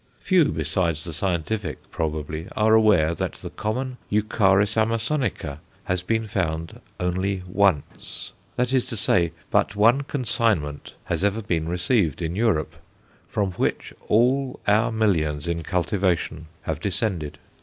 Few besides the scientific, probably, are aware that the common Eucharis amasonica has been found only once; that is to say, but one consignment has ever been received in Europe, from which all our millions in cultivation have descended.